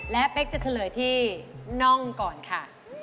และเป๊กจะเฉลยที่น่องก่อนค่ะ